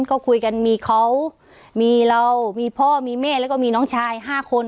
ก็คุยกันมีเขามีเรามีพ่อมีแม่แล้วก็มีน้องชาย๕คน